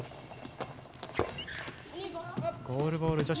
ゴールボール女子